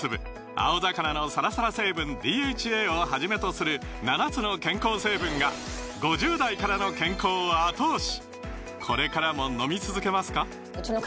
青魚のサラサラ成分ＤＨＡをはじめとする７つの健康成分が５０代からの健康を後押し！